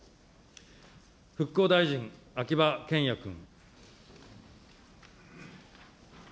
復興大臣、秋葉賢也君。